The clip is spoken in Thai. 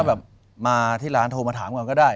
แบบมาที่ร้านโทรมาถามก่อนก็ได้